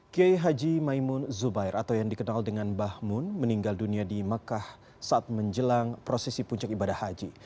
kiai haji maimun zubair atau yang dikenal dengan bahmun meninggal dunia di mekah saat menjelang prosesi puncak ibadah haji